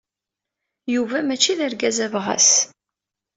Yuba mačči d argaz abɣas.